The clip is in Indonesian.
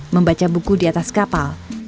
membaca buku di atas kapal